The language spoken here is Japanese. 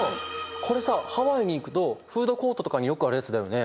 これさハワイに行くとフードコートとかによくあるやつだよね。